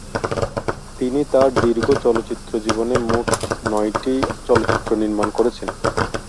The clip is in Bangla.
তিনি তার দীর্ঘ চলচ্চিত্র জীবনে মোট নয়টি চলচ্চিত্র নির্মাণ করেছেন।